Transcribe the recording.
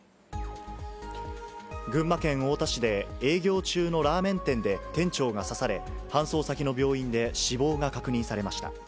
群馬県太田市で、営業中のラーメン店で店長が刺され、搬送先の病院で死亡が確認されました。